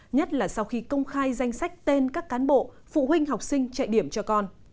nhất là sau khi công khai danh sách tên các cán bộ phụ huynh học sinh chạy điểm cho con